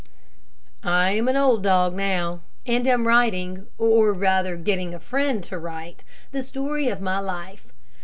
I am an old dog now, and am writing, or rather getting a friend to write, the story of my life.